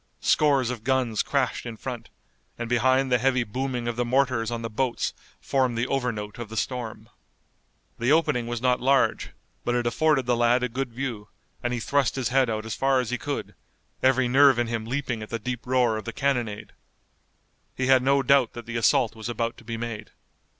Scores of guns crashed in front, and behind the heavy booming of the mortars on the boats formed the overnote of the storm. The opening was not large, but it afforded the lad a good view, and he thrust his head out as far as he could, every nerve in him leaping at the deep roar of the cannonade. He had no doubt that the assault was about to be made.